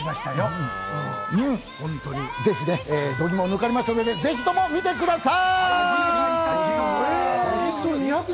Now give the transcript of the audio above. ぜひね、度肝を抜かれますので、ぜひ見てください。